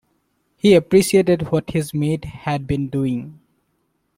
He appreciated what his mate had been doing.